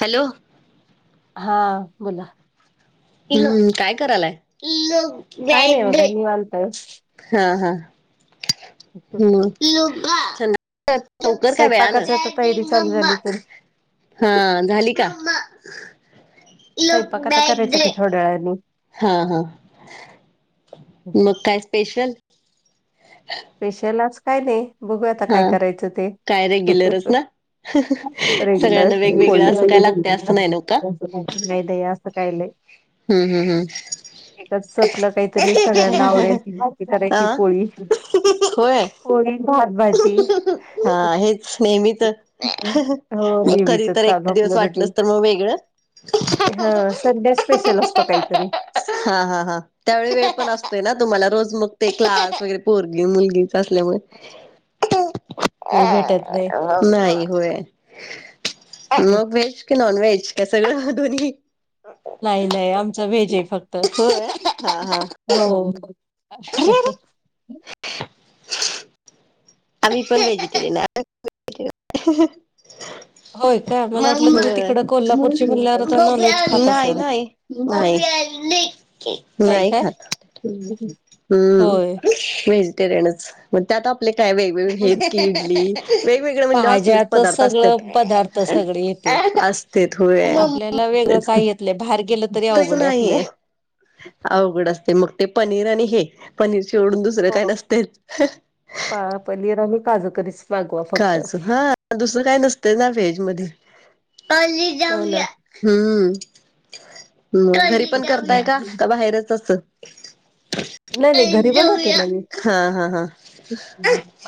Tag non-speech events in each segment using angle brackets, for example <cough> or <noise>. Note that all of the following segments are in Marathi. हॅलो. हा बोला. हा काय करायलाय? काय नाही बाघा निवांत. हा हा म <unintelligible> हो लवकर का वेळा न. स्वयंपाकाच आता तयारी चालू झाली तर हा झाली का? स्वयंपाक आता करायचा की थोड्या वेळानी हा हा. मग काय स्पेशल? <inaudible> स्पेशल आज काय नाही बघू आता हा काय करायच ते. काय रेग्युलरच ना रेग्युलर सगळ्यांना <inaudible> वेगवेगळं असं काय लागते असं नाही न का नाही दया अस कायले. हम् हम् हम्. एकच सपल काहीतरी सगळ्यांना आवडायची ती करायची अ पोळी. होय. पोळी, भात, भाजी. हा हेच नेहमीच हो मग कधी नेहमीच तर चालू एकाद दिवस वाटलस तर मग वेगळ. हा संडे स्पेशल असतो काहीतरी. हा हा हा. त्यावेळी वेळ पण असतोय ना तुम्हाला रोज मग ते क्लास वगैरे पोरगी मुलगीच असल्यामुळे. वेळ भेटत नाही नाही होय म वेज की नॉन व्हेज का सगळा दोन्ही. नाही नाही आमचा व्हेज आहे फक्त त होय हा हा हो. आम्हीपण व्हेजिटेरियन. होय का मला वाटलं तुम्ही तिकडं कोल्हापूरची म्हणल्यावर <inaudible> आता नॉनव्हेज होय खात नाही असाल नाही. नाही. नाही खात <unintelligible> <unintelligible> हम्म. होय व्हेजिटेरियनच. मग त्यात आपले काय वेगवेगळे हे की इडली- वेगवेगळे म्हटल्यावर असलेच भाज्याच पदार्थ असत्यात. सगळं पदार्थ सगळे येतेत असतेत. होय. आपल्याला वेगळं तेच की. काय येत बाहेर गेलत. नाहीए. अवघड असतेय मग ते पनीर आणि हे. पनीर सोडून दुस - -र काय हो नसतय. पा पनीर आणि काजू करीच. मागवा फक्त काजू हां. दुसरं काय नसतय ना व्हेज मध्ये. हो ना हम्म. हम्म. घरी पण करताय का? नाही का बाहेरच असं? नाही घरी बनवते हा. ना मी हा. हा.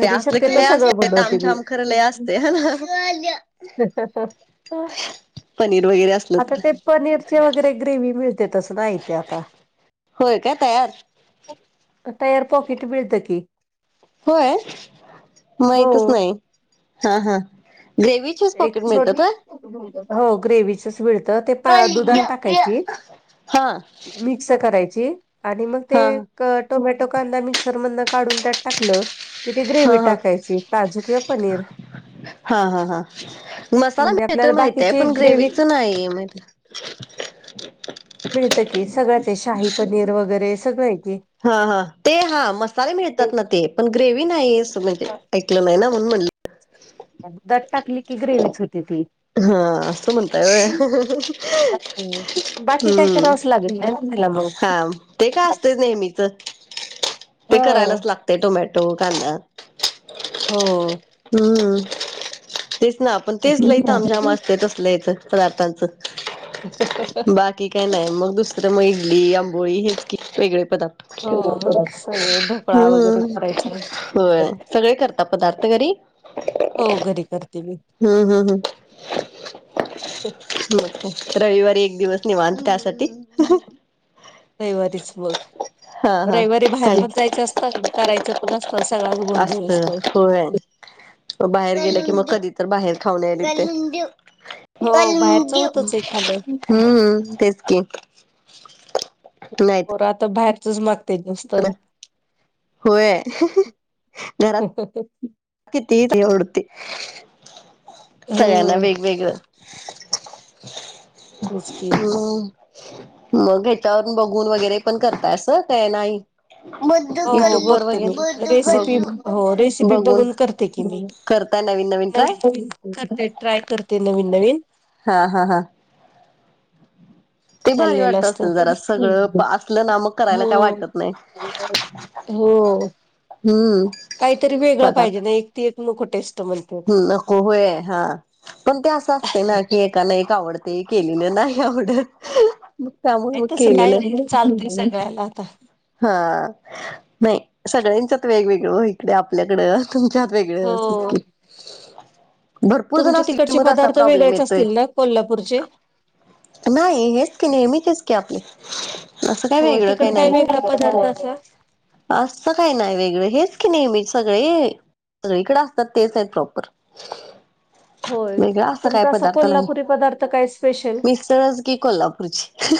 ते घरी असलं की शक्यतो लय अस सगळं - बनवते मी तामछाम खर लय असत. हाय ना? पनीर वगैरे अस- आता ते पनीरची वगैरे ग्रेव्ही मिळत- ते तस नाही ते आता. होय काय तयार तयार पॉकेट मिळतं की. होय? हो माहितच नाही. हां. हां. ग्रेव्ही - एक छोटी <unintelligible> हो. ग्रेव्हीचच मिळतं. ते दुधात टाकायची. हां. -क्स करायची आणि मग ते टोमॅटो, कांदा मिक्सर मधन काढून त्यात टाकलं- कि ती ग्रेव्ही टाकायची. काजू किंवा पनीर. हां. हां. हां. मसाला म्हणजे मिळतोय आपल्याला माहीतीए. बाकीची पण ग्रेव्ही ग्रेव्हीच नाही म्ह- मिळत की. सगळंच आहे. शाही पनीर वगैरे सगळंय की. हां. हां. ते हां मसाले मिळतात ना ते. पण ग्रेव्ही नाही असं नाही म्हणजे ऐकलं नाही ना म्हणून म्हणलं. <unintelligible> टाकली की ग्रेव्हीच होते ती. हां. अस म्हणताय होय. हम्म. बाकी काय हम्म. करावंच लागेल ना त्याला मग हां. ते काय असतेच नेहमीच. ते हा करायलाच लागतय टोमॅटो, कांदा- हो. हम्म. तेच ना पण तेच लय तामझाम असत. तस लय चं पदार्थांचं <unintelligible> की काही नाही मग दुसरं त मग इडली, आंबोळी हेच की वेगळे पदार्थ. हो. सगळ ढोकळा वगैरे हम्म करायचा. होय सगळे करता पदार्थ घरी हो घरी करते मी. हम्म. हम्म. हम्म. रविवारी एक दिवस निवांत त्यासाठी. रविवारीच मग. हा हा रविवारी बाहेर काय पण जायच असत. करायचं पण असतं. सगळाच गोंधळ असत असतो. होय बाहेर गेलं की मग कधी तर बाहेर खाऊन याय लागत. हो बाहेरच हम्म. होतच आहे खालं हं. तेच की. नाही. पोर आता बाहेरचच माग- <unintelligible> होय हो घरात- किती ते <unintelligible> सगळ्यांना वेगवेगळं. तेच <unintelligible> की नाही. मग ह्याच्यावरून बघून वगैरे पण करताय अस ते नाही. हो हो युट्युब वर बघते बघेन मी रेसिपी बघून, हो रेसिपी बघून. करते की करता नवीन नवीन ट्राय. घरते ट्राय करते नवीन नवीन. हा हा हा! ते भारी चाललेलं वाटत असत असेल जरा सगळं असलं ना मग करायला काय हो. वाटत नाही हो हम्म काहीतरी वेगळ पाहिजे ना एक ते एक नको टेस्ट म्हण. मुलं कोवळी आहे हा पन ते असं असतय ना की एक एकाला एक आवडते केलेलं नाही आवडत. मग त्यामुळे नाही मग तसं काय केलेलं नाही चालतय, सगळ्याला आता. हा नाही सगळ्यांच्यात वेगवेगळं हो इकडे आपल्याकडं. तुमच्यात वेगळे असच हो की. भरपूर जण तुमचे असतील कि तिकडचे मग असा पदार्थ प्रॉब्लेम वेगळेच येतोय. असतील ना कोल्हापूरचे नाही हेच की नेहमीचेच की आपले असं काही हो वेगळं तिकड काही काय नाही. वेगळा पदार्थ असा <unintelligible> असं काही नाही वेगळं हेच की नेहमी सगळे. इकडे असतात तेच आहेत प्रॉपर. होय वेगळा असा काय तुमचा पदार्थ नाही कोल्हापुरी पदार्थ काय स्पेशल मीच तळच की कोल्हापूरची.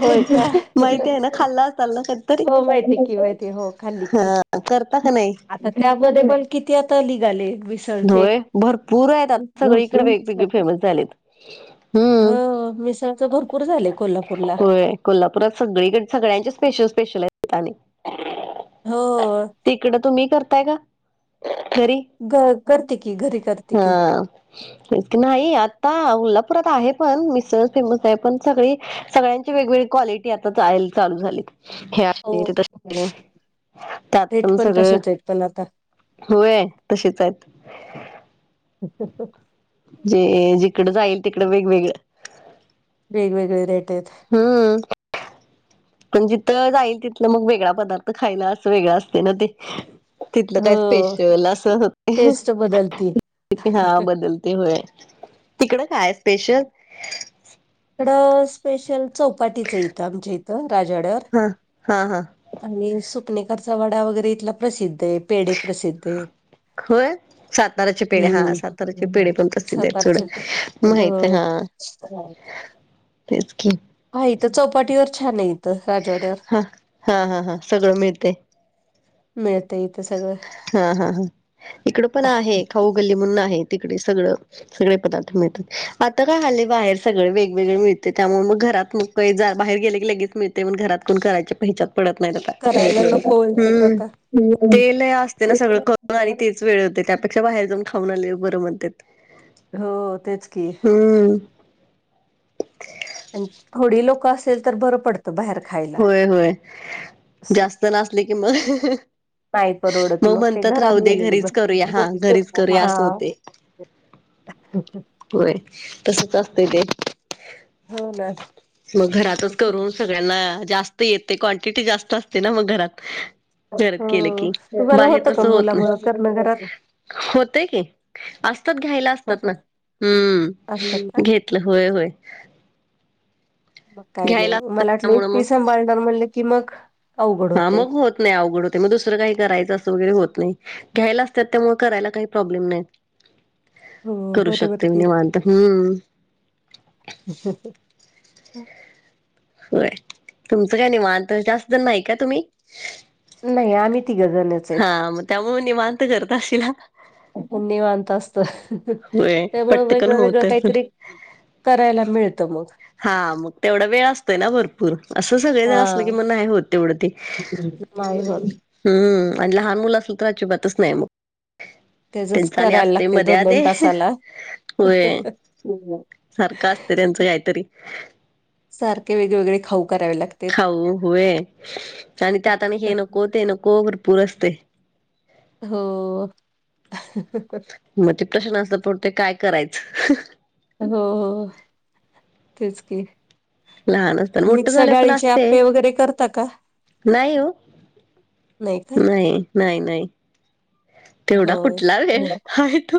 होय का? माहिती आहे ना खाल्ला असाल ना कधीतरी हो माहिती की, माहिती हो खाल्ली की. करता का नाही? आता त्यामध्ये पण किती आता लिघाले विष धुळे भरपूर आहेत आता सगळी इकडे वेगवेगळे फेमस झालेत. ह हम्म मिसळच भरपूर झालंय कोल्हापूरला. होय कोल्हापुरात सगळीक सगळ्यांचे स्पेशल, स्पेशल आहेत <unintelligible> हो! तिकडं तुम्ही करताय का घरी? घरात करते की घरी करते की. हा नाही आता कोल्हापुरात आहे पण मिसळ फेमस आहे पण सगळी सगळ्यां ती वेगवेगळे क्वालिटी आता चालू झाली हो <unintelligible> त्यात रेट पण सगळं तसेच आहेत पण आता होय तसेच आहेत. <inaudible> जे जिकडं जाईल तिकड वेगवेगळं. बेईन वेगळे रेटेत. हूं! पण जिथं जाईल तिथलं मग वेगळा पदार्थ खायला असं वेगळं असते ना ते. तिथलं हो काय स्पेशल असं. टेस्ट बदलती हा बदलते होय, तिकडं काय स्पेशल? इकडं स्पेशल चौपाटीचं इथं आमच्या इथं राजवाडया वर. हा हा हा! आणि सुपनेकरचा वडा वगैरे इथला प्रसिद्ध हे पेढ प्रसिद्ध हे. होय साताराचे पेढे हा साताराचे पेढे पण हम्म प्रसिद्ध आहेत सोड सातारच्या हो <inaudible> तेचकी! हा, इथं चौपाटीवर छान ये. हं, हं हं हं सगळं मिळतय. मिळतय इथंच हं हं हं इकड पण आहे, खाऊ गल्ली म्हणून आहे, तिकडे सगळं. सगळे पदार्थ मिळतात, आता काय हल्ली बाहेर सगळे, वेगवेगळे मिळते, त्यामुळे मग घरात पै जा, बाहेर गेले की लगेच मिळते, म घरात कोण करायच्या पेच्यात पडत नाहीत आता, करायला नको हम्म. म्हणतात आता. ते लई असते ना सगळं करून आणि तेच वेळ होते, त्यापेक्षा बाहेर जाऊन खाऊन आलेले, बरं म्हणत्यात. हो, तेच की. हम्म. अन थोडी लोकं असेल, तर बरं पड त, बाहेर खायला. होय होय, जास्त ना असले कि, मग नाही परडवत, मग ते म्हणतात घरात राहू दे गेलेले घरीच करूया हा बस घरीच करूया असं होते <unintelligible> ह ह. व्हय, तसंच असतंय ते. हो ना मग घरातच करून सगळ्यांना, जास् त येते, क्वांटिटी जास्त असते ना, मग घरात. जर केलं हो की, तुम्हाला बाहेर होतं का तसं होत ना मुलामुळं करणं घरात? होतय की, असतात घ्यायला असतात होत ना. असतात का? हम्म, घेतलं होय-होय. मग काय नाही, असतात मला वाटलं त्यामुळे मग एकटी सांभाळणार म्हणलं की मग अवघड हां, होतय. मग होत नही, अवघड होत मग दुसरं काही करायचं असं वगैरे होत नही, घ्यायला असतात, त्यामुळे करायला काही प्रॉब्लेम नाही. हो करू बरोबर शकते म की. निवांत, हम्म. व <unintelligible> व्हय, तुमचं काय निवांत, जास्त जण नाही का, तुम्ही? नही, आम्ही तीघ जणं. हां, म त्यामुळ निवांत करत अशील हा. आपण निवांत असत, होय त्यामुळं पटकन वेगळं-वेगळं होत असेल काहीतरी करायला मिळत, मग. हां, म तेवढा वेळ असतोय ना भरपूर, असं सगळेजण हा असलं की, मग नाही होत, तेवढं ते. <unintelligible> नाही होत. हम्म अन लहान मुल असल, तर अजिबातच नही मग. त्याचच त्यांचं आणि करायला असते, लागते दोन दोन मध्ये-आदे होय. हम् ह. सारखं असत, त्यांचं काहीतरी. सारखे वेगळे-वेगळे खाऊ करावे लाग खाऊ होय आणि त्यात आणि हे नको, तें नको भरपूर असतंय. हो, ह्ह्हणं. म ते प्रश्न असतात, पण ते काय करायचं? हो हो, तेच की. लहान असताना मोठं मिक्स झालं डाळीचे आप्पे वगैरे, करता का? नाहीय ओ. नाही का नही, नाही-नाही. तेवढा हो कुठला वेळ, आहे तो,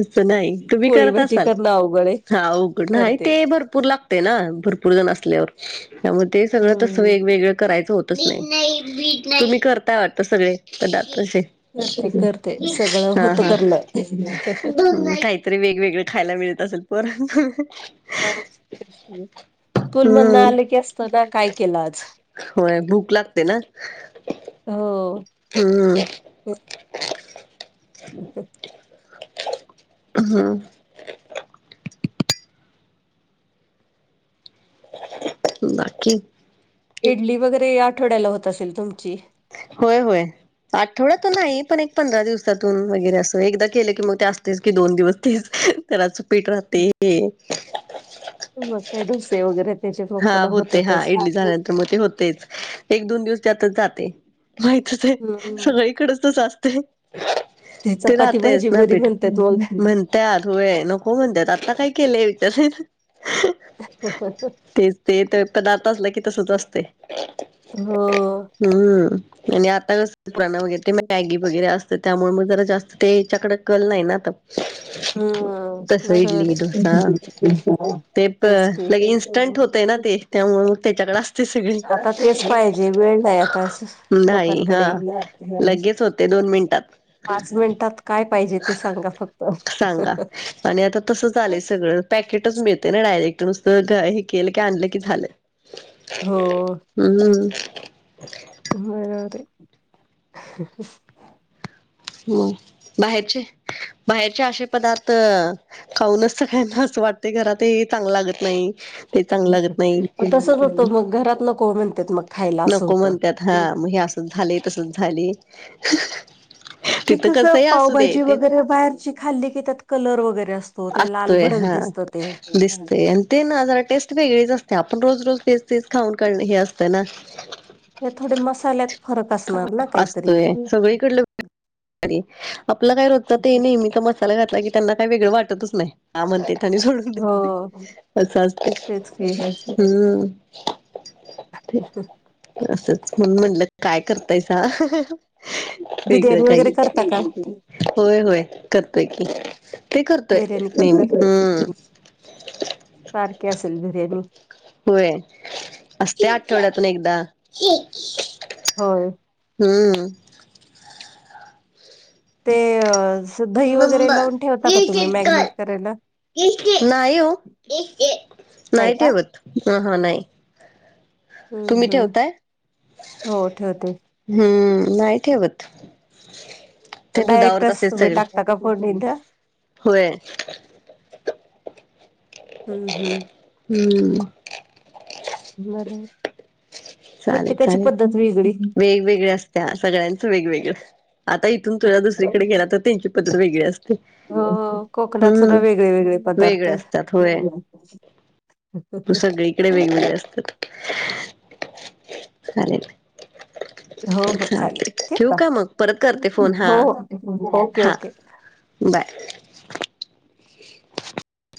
असं नाही. तुम्ही पोळी करत भाजी असाल करणं अवघड आहे हाघड नाही करते ते भरपूर लाग ते ना भरपूर जण असल्यावर त्यामूळ ते सगळं तस हम्म वेगवेगळ करायच होतच नाही तुम्ही करताय वाटत सगळे पदार्थ अशे. करते करते सगळं होत करणं. हम का तरी वेगवेगळ खायला मिळत असेल पर हो तेच की. स्कूल मधन हम्म आले की असत ना काय केलं आज. होय भूक लागते ना हो. हम्म. ओके. अंह. बाकी इडली वगैरे आठवड्याला होत असेल तुमची. होय होय. आठवडा तर नाही पण एक पंधरा दिवसातून वगैरे अस एकदा केलं की मग ते असतेच की दोन दिवस तेच. त्याला च पीठ राहते. मग काय डोसे वैगेरे हा होते हा इडली झाल्यानंतर मग ते होतेच. एक दोन दिवस त्यातच जाते माहितच आहे हम्म सगळीकडेच तसं असते. ते चपाती राहतयच भाजी ना बरी पीठ म्हणतात मग. म्हण त्यात होय नको म्हणत्यात आता काय केलंय विचार तेच ते तर पदार्थ असलं की तसच असते. ह. हम्म आणि आता कसण वगर ते मॅगी वगैरे असत त्यामुळे मग जरा जास्त ते याच्याकड कल नाही ना आता. हम तस इडली बरोबरे. डोसा ते त लगे इन्स्टंट होतय ना ते त्यामुळे मग त्याच्याकडे सगळी. आता तेच पाहिजे वेळ नाही आता नाही हा लोकांकडे. लगेच होते दोन मिनिटात. पाच मिनिटात काय पाहिजे ते सांगा फक्त. सांगा आणि आता तसं झालंय सगळं पॅकेटच मिळते ना डायरेक्ट नुसतं हे केलं की आणलं की झालं. हो हम्. होय ना रे. हो बाहेरचे बाहेरचे असे पदार्थ खाऊनच सगळ्यांना असं वाटते घरा ते चांगलं लागत नाही ते चांगलं लागत नाही. तो मग घरात नको म्हण नको म्हणतात हा मग हे असंच झाले तसच झाले. ते तिथं कसं कसही असू दे पावभाजी तेच वगैरे बाहेरची खाल्ली की त्यात कलर वगैरे असतो ते लाल भडक दिसत ते. दिसते आणि ते ना जरा टेस्ट वेगळीच असते आपण रोज रोज तेच तेच खाऊन काणे हे असतं ना. हे थोडे मसाल्यात फरक असणार ना काहीतरी. असतोय सगळीकडलं आपलं काय रोजत ते नाही मी तर मस्त ला घातला की त्यांनाय वेगळं वाटतच नाही म्हण सोड. हो असं तेच की असतं हम्म. असच म्हनुन म्हणलं, काय करतायसा? वेगळं बिर्याणी वगैरे काही, करता का? होय होय करतोय की. ते करतोय बिर्याणी नेहमी करते हुं. सारखी असेल बिर्याणी. होय, असत्या आठवड्यातून एकदा. होय. हूम. ते दही वगैरे लावून ठेवता का तुम्ही मॅगनेट करायला? नाही ओ नाही नाही का? ठेवत. ह हां नाही. तुम्ही हम्म हम्म. ठेवताय? हो ठेवते हुं. नाही ठेवत. ते दुधावरच डायरेक्टच असतेत तुम्ही सगळे टाकता का फोडनीत? होय. हुं. हू. उं. बर, प्रत्येकाची पद्धत वेगळी. वेगळी असत्या, सगळ्यांचं वेगवेगळ आता ईथून तुला दुसरीकडे गेला तर, त्यांची पद्धत वेगळी असते. हो हो, कोकणात सुद्धा हम्म वेगळे वेगळे पदार्थ. वेगळे असतात हो सगळीकडे वेगवेगळे असतात. चालेल. हो हो चालेल. चालतय, ठेवू का मग? परत करते फोन हो ओके हा. ओके. बाय. <inaudible>